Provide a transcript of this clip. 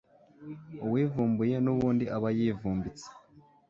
uwivumbuye n'ubundi aba yivumbitse